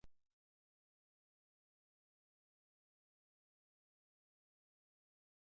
Espainiako futbol selekzio nazionalarekin aritu zen Amsterdamgo Olinpiar Jokoetan.